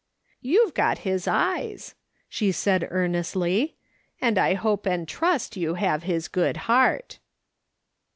" You've got his eyes," she said earnestly, " and I hope and trust you have his good heart."